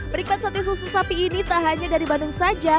penikmat sate susu sapi ini tak hanya dari bandung saja